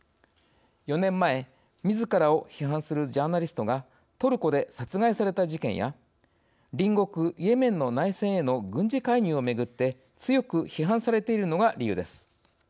４年前みずからを批判するジャーナリストがトルコで殺害された事件や隣国イエメンの内戦への軍事介入をめぐって強く批判されているのが理由です。